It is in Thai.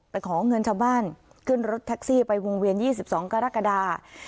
ไปของเงินชาวบ้านขึ้นรถแท็กซี่ไปวงเวียนยี่สิบสองกรกฎา